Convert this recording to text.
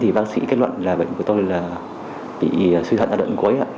thì bác sĩ kết luận là bệnh của tôi là bị suy thận giai đoạn cuối